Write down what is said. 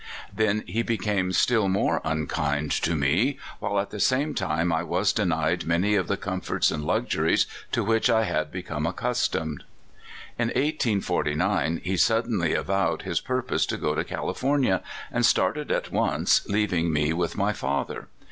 Then he became still moro A Woman of the Early Days. • 35 unkind to me, while at the same time I was deniecl many of the comforts and kixuries to which I had become accustomed. "In 1849 he suddenly avowed his purpose to gr to California, and started at once, leaving me with my father.